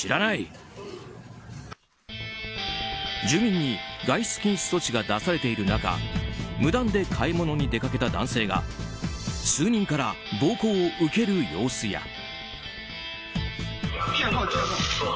住民に外出禁止措置が出されている中無断で買い物に出かけた男性が数人から暴行を受ける様子や。